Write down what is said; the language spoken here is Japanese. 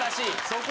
そこ？